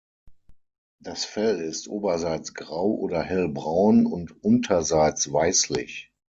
Das Fell ist oberseits grau oder hellbraun und unterseits weißlich.